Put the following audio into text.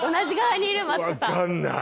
分かんない。